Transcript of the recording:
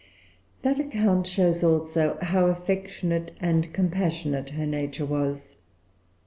That account shows also how affectionate and compassionate her nature was.